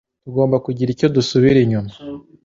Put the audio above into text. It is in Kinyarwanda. Tugomba kugira icyo dusubira inyuma